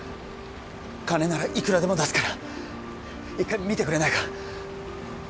金ならいくらでも出すから一回診てくれないか